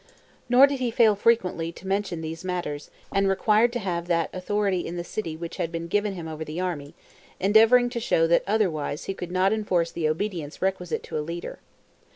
Nor did he fail frequently to mention these matters, and required to have that authority in the city which had been given him over the army, endeavoring to show that otherwise he could not enforce the obedience requisite to a leader.